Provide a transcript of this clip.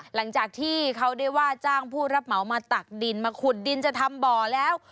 หลังจากที่เขาได้ว่าจ้างผู้รับเหมามาตักดินมาขุดดินจะทำบ่อแล้ว